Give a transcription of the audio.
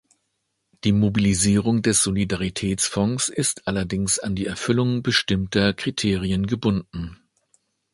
Die Mobilisierung des Solidaritätsfonds ist allerdings an die Erfüllung bestimmter Kriterien gebunden.